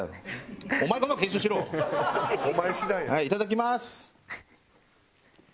はいいただきます。